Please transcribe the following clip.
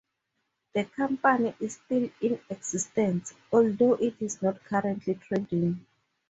The company is still in existence, although it is not currently trading.